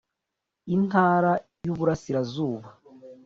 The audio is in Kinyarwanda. Intara y’uburasirazuba